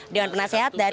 dewan penasehat dari